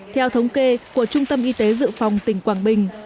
theo thống kê của trung tâm y tế dự phòng tỉnh quảng bình